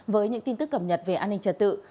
với những tin tức cập nhật về an ninh trật tự